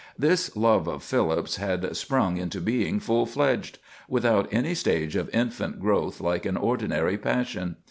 This love of Philip's had sprung into being full fledged, without any stage of infant growth like an ordinary passion.